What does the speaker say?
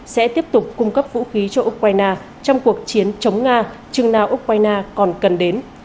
sẽ tiếp tục cung cấp vũ khí cho ukraine trong cuộc chiến chống nga chừng nào ukraine còn cần đến